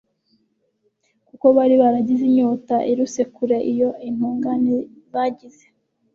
kuko bari baragize inyota iruse kure iyo intungane zagize